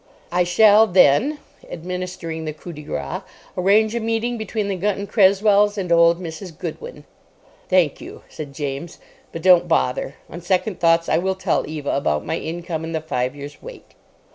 "I shall then," administering the coup de grâce, "arrange a meeting between the Gunton Cresswells and old Mrs. Goodwin." "Thank you," said James, "but don't bother. On second thoughts I will tell Eva about my income and the five years' wait."